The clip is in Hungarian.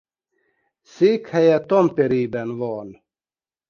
Székhelye Tamperében van.